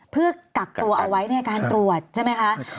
เพื่อกักตัวเอาไว้ในการตรวจใช่ไหมคะ